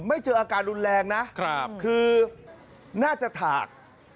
ไม่เจออาการรุนแรงนะคือน่าจะถาก